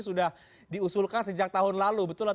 sudah diusulkan sejak tahun lalu betul